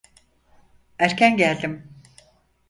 Erken geldim.